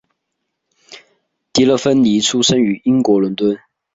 迪乐芬妮出生于英国伦敦。